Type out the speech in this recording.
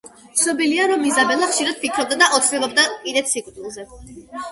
ცნობილია, რომ იზაბელა ხშირად ფიქრობდა და ოცნებობდა კიდეც სიკვდილზე.